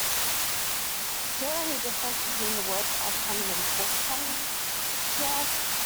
Is there any difference between the words Upcoming and forthcoming? she asked